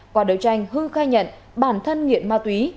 qua đấu tranh hưng khai nhận bản thân nghiện ma túy